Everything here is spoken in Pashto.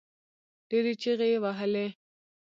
ډېرې چيغې يې وهلې.